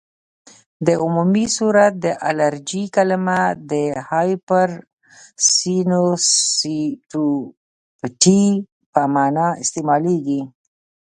په عمومي صورت د الرژي کلمه د هایپرسینسیټیويټي په معنی استعمالیږي.